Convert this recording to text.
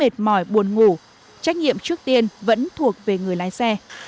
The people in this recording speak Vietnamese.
trách nhiệm trước tiên vẫn thuộc về người lái xe